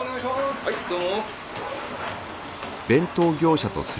はいどうも。